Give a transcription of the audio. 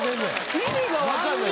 意味が分かんない。